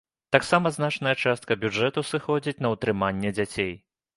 Таксама значная частка бюджэту сыходзіць на ўтрыманне дзяцей.